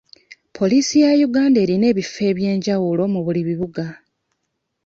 Poliisi ya Uganda erina ebifo eby'enjawulo mu buli bibuga.